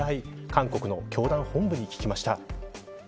韓国の教団本部に聞きました。